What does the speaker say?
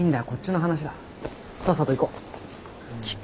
さっさと行こう。